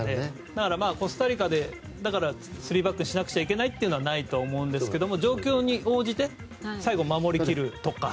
だから、コスタリカで３バックにしなくちゃいけないということはないと思うんですが状況に応じて最後、守り切るとか。